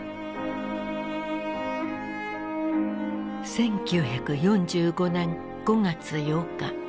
１９４５年５月８日。